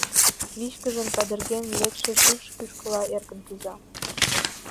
Вичкыжын кадырген лекше шикш кӱшкыла эркын кӱза.